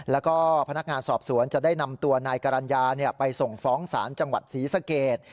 แล้วก็พนักงานสอบสวนจะได้นำตัวนายกรรณญาไปส่งฟ้องศาลจังหวัดศรีสเกต